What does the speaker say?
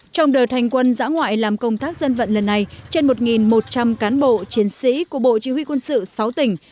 trong đợt hành quân giã ngoại làm công tác dân vận lần này trên một một trăm linh cán bộ chiến sĩ của bộ chỉ huy quân sự sáu tỉnh